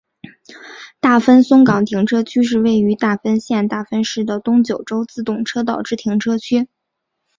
大分松冈停车区是位于大分县大分市的东九州自动车道之停车区。